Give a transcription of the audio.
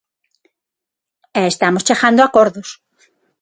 E estamos chegando a acordos.